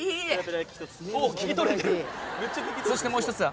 そしてもう一つは。